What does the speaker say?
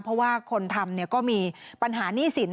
เพราะว่าคนทำก็มีปัญหาหนี้สิน